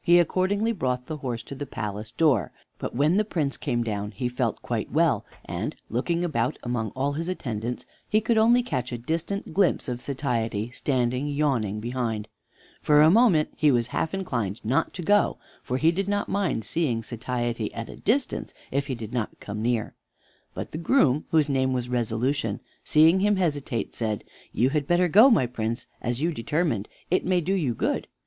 He accordingly brought the horse to the palace door. But when the Prince came down he felt quite well, and, looking about among all his attendants, he could only catch a distant glimpse of Satiety standing yawning behind. For a minute he was half inclined not to go, for he did not mind seeing Satiety at a distance if he did not come near. But the groom, whose name was Resolution, seeing him hesitate, said: "You had better go, my Prince, as you determined; it may do you good."